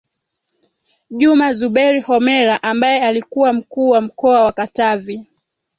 Juma Zuberi Homera ambaye alikuwa Mkuu wa mkoa wa Katavi